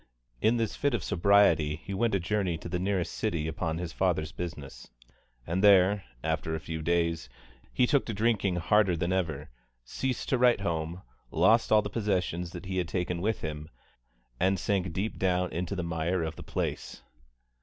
In this fit of sobriety he went a journey to the nearest city upon his father's business, and there, after a few days, he took to drinking harder than ever, ceased to write home, lost all the possessions that he had taken with him, and sank deep down into the mire of the place.